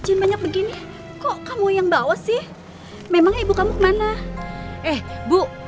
jangkaan aku bisaooooooooooo